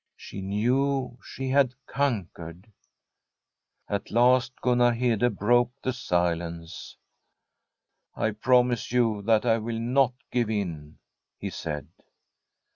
She knew she had conquered. At last Gunnar Hede broke the silence. * Ipromise you that I will not give in/ he said.